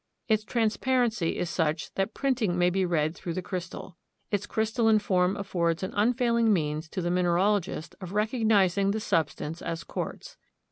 Its transparency is such that printing may be read through the crystal. Its crystalline form affords an unfailing means to the mineralogist of recognizing the substance as quartz.